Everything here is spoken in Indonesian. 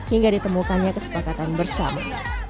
hingga ditemukannya kesepakatan bersama